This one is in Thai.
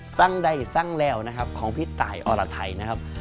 สร้างได้สร้างแล้วนะครับของพี่ตายอลาไทยนะครับ